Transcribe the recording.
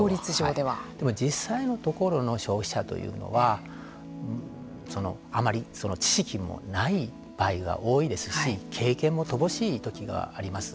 でも、実際のところの消費者というのはあまり知識もない場合が多いですし経験も乏しいときがあります。